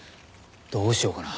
どうしようかな？